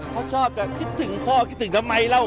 เขาชอบแบบคิดถึงพ่อคิดถึงทำไมเล่า